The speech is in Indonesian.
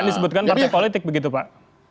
disebutkan partai politik begitu pak